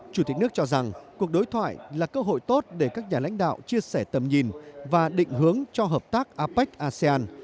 chủ tịch nước cho rằng cuộc đối thoại là cơ hội tốt để các nhà lãnh đạo chia sẻ tầm nhìn và định hướng cho hợp tác apec asean